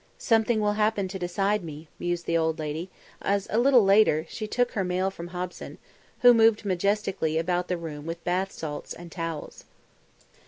"Something will happen to decide me," mused the old lady as, a little later, she took her mail from Hobson, who moved majestically about the room with bath salts and towels.